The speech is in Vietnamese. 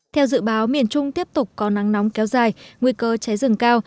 theo dự báo miền trung tiếp tục có nắng nóng kéo dài nguy cơ cháy rừng cao